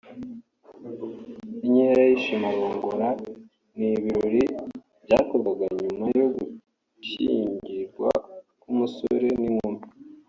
Inkera y’ishimarongora ni ibirori byakorwaga nyuma yo gushyingirwa k’umusore n’inkumi